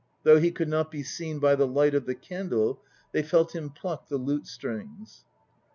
Though he could not be seen by the light of the candle, they felt him pluck the lute strings.